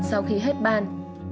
sau khi hết ban